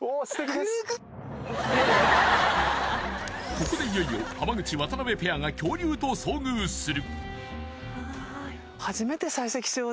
ここでいよいよ浜口・渡部ペアが恐竜と遭遇する